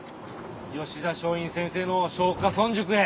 吉田松陰先生の松下村塾へ！